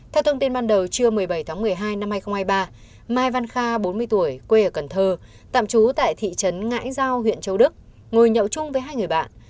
theo thông tin ban đầu trưa một mươi bảy tháng một mươi hai năm hai nghìn hai mươi ba mai văn kha bốn mươi tuổi quê ở cần thơ tạm trú tại thị trấn ngãi giao huyện châu đức ngồi nhậu chung với hai người bạn